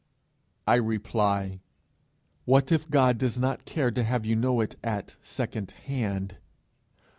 I reply, What if God does not care to have you know it at second hand?